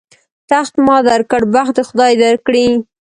تخت ما در کړ، بخت دې خدای در کړي.